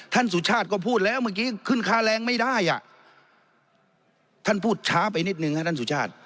สุชาติก็พูดแล้วเมื่อกี้ขึ้นค่าแรงไม่ได้อ่ะท่านพูดช้าไปนิดนึงฮะท่านสุชาติ